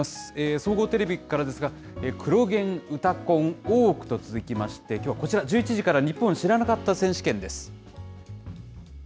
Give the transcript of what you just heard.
総合テレビからですが、クロ現、うたコン、大奥と続きまして、きょうはこちら、１１時から日本知らなかった選手権です。